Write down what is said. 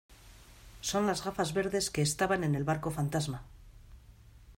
son las gafas verdes que estaban en el barco fantasma.